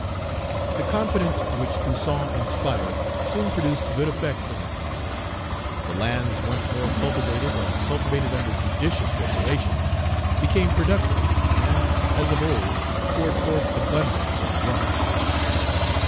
The confidence which Toussaint inspired soon produced good effects in the colony. The lands once more cultivated, and cultivated under judicious regulations, became productive, and, as of old, poured forth abundance and wealth.